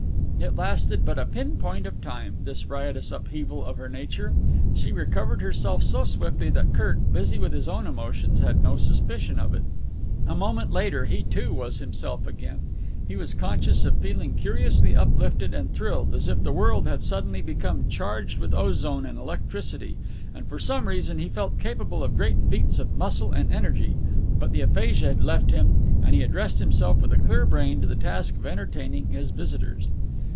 It lasted but a pin point of time, this riotous upheaval of her nature. She recovered herself so swiftly that Kirk, busy with his own emotions, had no suspicion of it. A moment later he, too, was himself again. He was conscious of feeling curiously uplifted and thrilled, as if the world had suddenly become charged with ozone and electricity, and for some reason he felt capable of great feats of muscle and energy; but the aphasia had left him, and he addressed himself with a clear brain to the task of entertaining his visitors.